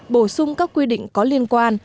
bổ sung các quy định có liên quan